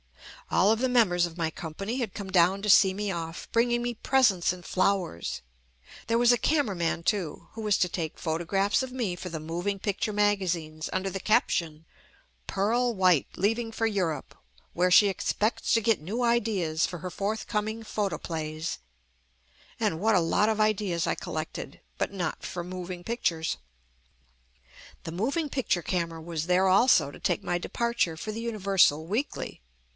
All of the members of my company had come down to see me off, bringing me presents and flowers. There was a camera man too, who was to take photographs of me for the moving picture magazines under the caption "Pearl White leaving for Europe, where she expects to get new ideas for her forthcoming photoplays/' and what a lot of ideas I collect ed — but not for moving pictures. The moving picture camera was there also to take my de parture for the Universal Weekly.